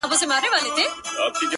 • نه مي لاس د چا په وینو دی لړلی ,